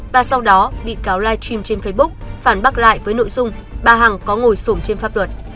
và sau đó bị cáo live stream trên facebook phản bác lại với nội dung bà hằng có ngồi sùng trên pháp luật